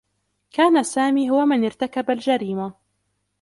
كان سامي هو من ارتكب الجريمة.